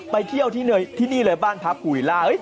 ไปเที่ยวที่นี่เลยบ้านพระภูรา